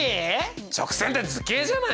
直線って図形じゃないの？